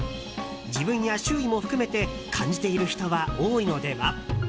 自分や周囲も含めて感じている人は多いのでは？